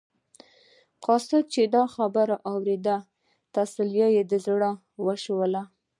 قاصد چې دا خبرې واورېدلې تسلي یې د زړه وشوله.